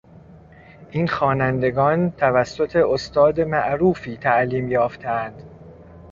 این خوانندگان توسط استاد معروفی تعلیم یافتهاند.